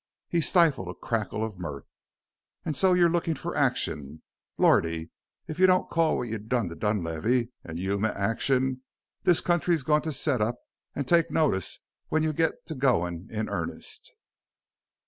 He stifled a cackle of mirth. "An' so you're lookin' for action? Lordy! If you don't call what you done to Dunlavey an' Yuma action this country's goin' to set up an' take notice when you get to goin' in earnest!"